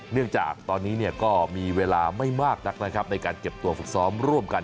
เนื่องจากตอนนี้ก็มีเวลาไม่มากนักนะครับในการเก็บตัวฝึกซ้อมร่วมกัน